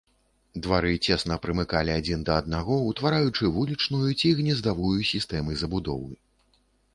Двары цесна прымыкалі адзін да аднаго, утвараючы вулічную ці гнездавую сістэмы забудовы.